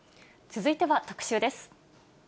続いては特集です。